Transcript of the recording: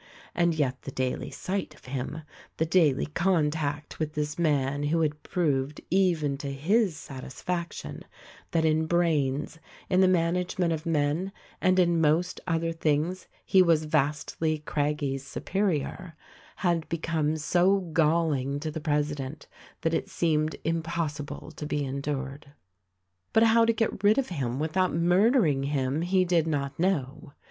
And yet the daily sight of him, the daily contact with this man who had proved, even to his satisfaction, that in brains, 195 196 THE RECORDING AXGEL in the management of men and in most other things he was vastly Craggie's superior, had hecome so galling to the presi dent that it seemed impossible to be endured. But how to get rid of him without murdering him he did not know.